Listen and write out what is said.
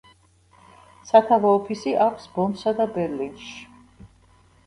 სათავო ოფისი აქვს ბონსა და ბერლინში.